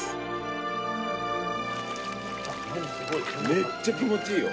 めっちゃ気持ちいいよ。